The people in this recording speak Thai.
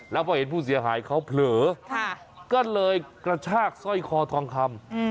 แล้วพอเห็นผู้เสียหายเขาเผลอก็เลยกระชากสร้อยคอทองคำ